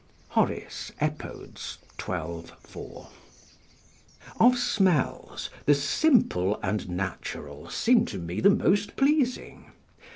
Horace, Epod., xii. 4.] Of smells, the simple and natural seem to me the most pleasing.